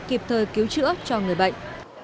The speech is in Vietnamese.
kịp thời cứu chữa cho người bệnh